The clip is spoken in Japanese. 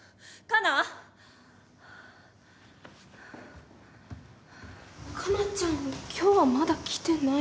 可奈ちゃん今日はまだ来てないです。